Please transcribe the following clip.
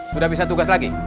sudah bisa tugas lagi